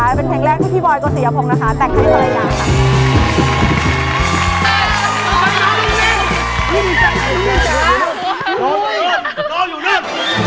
แข็งแรงก็พี่บอยซ์ก็เสียผมนะคะแต่ใครก็เลยอยาก